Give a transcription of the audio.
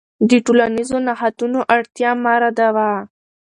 د ټولنیزو نهادونو اړتیا مه ردوه.